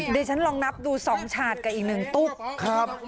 ด้วยฉันลองนับดูสองชาติกับอีกหนึ่งตุ๊ก